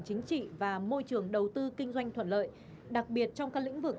chính trị và môi trường đầu tư kinh doanh thuận lợi đặc biệt trong các lĩnh vực